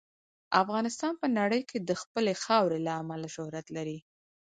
افغانستان په نړۍ کې د خپلې خاورې له امله شهرت لري.